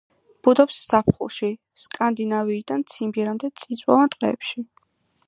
ბუდობს ზაფხულში, სკანდინავიიდან ციმბირამდე წიწვოვან ტყეებში.